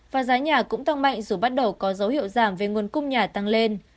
và giá nhà cũng tăng mạnh dù bắt đầu có dấu hiệu giảm về nguồn cung nhà tăng lên